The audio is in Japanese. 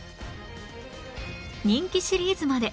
人気シリーズまで